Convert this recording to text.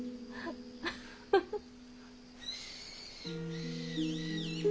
フフフッ。